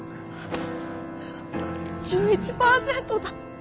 １１％だ。